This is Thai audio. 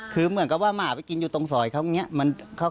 คือเหมือนกับว่าหมาไปกินอยู่ตรงซอยเขาอย่างนี้